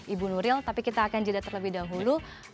ibu nuril tapi kita akan jeda terlebih dahulu